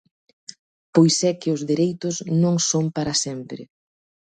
Pois é que os dereitos non son para sempre.